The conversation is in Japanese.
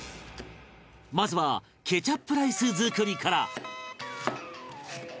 まずはケチャップライス作りから